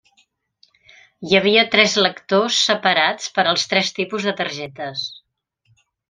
Hi havia tres lectors separats per als tres tipus de targetes.